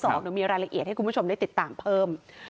เดี๋ยวมีรายละเอียดให้คุณผู้ชมได้ติดตามเพิ่ม